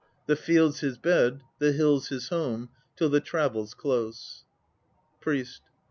The fields his bed, The hills his home Till the travel's close. PRIEST.